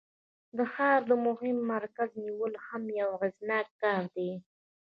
د ښار د مهم مرکز نیول هم یو اغیزناک کار دی.